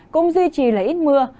cũng duy trì là ít mưa